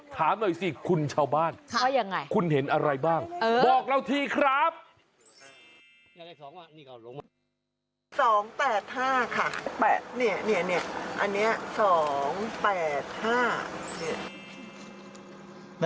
ถามหน่อยสิคุณชาวบ้านว่ายังไงคุณเห็นอะไรบ้างบอกเราทีครับ